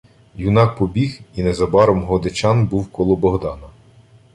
Юнак побіг, і незабаром Годечан був коло Богдана.